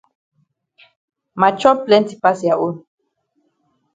Ma chop plenti pass ya own.